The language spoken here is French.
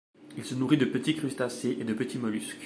Il se nourrit de petits crustacés et de petits mollusques.